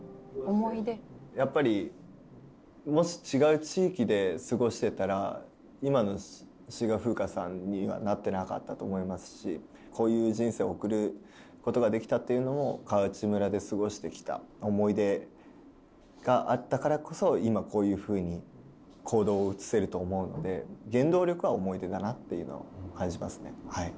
やっぱりもし違う地域で過ごしてたら今の志賀風夏さんにはなってなかったと思いますしこういう人生を送ることができたっていうのも川内村で過ごしてきた思い出があったからこそ今こういうふうに行動をうつせると思うので原動力は思い出だなっていうのを感じますねはい。